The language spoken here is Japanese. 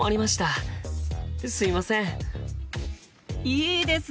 いいですね！